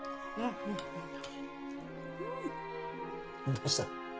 どうした？